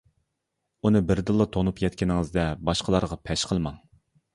ئۇنى بىردىنلا تونۇپ يەتكىنىڭىزدە، باشقىلارغا پەش قىلماڭ.